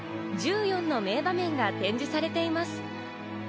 １４の名場面が展示されています。